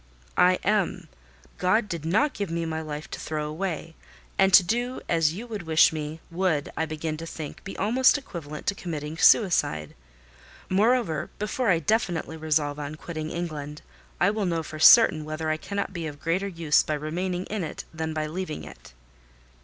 "I am. God did not give me my life to throw away; and to do as you wish me would, I begin to think, be almost equivalent to committing suicide. Moreover, before I definitively resolve on quitting England, I will know for certain whether I cannot be of greater use by remaining in it than by leaving it."